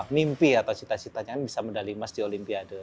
mimpi atau cita citanya bisa medali emas di olimpiade